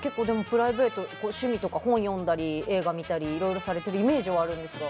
プライベート趣味とか本を読んだり映画を見たりいろいろされているイメージがあるんですか。